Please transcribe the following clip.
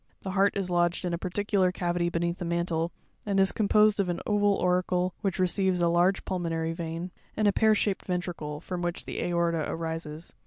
The heart is lodged in a particular cavity beneath the mantle, and is composed of an oval auricle, which receives a large pulmonary vein, and a pear shaped ventricle, from which the aorta arises.